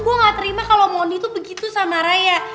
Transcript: gue gak terima kalo mondi tuh begitu sama rayek